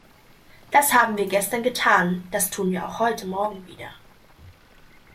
Das haben wir gestern getan, das tun wir auch heute morgen wieder.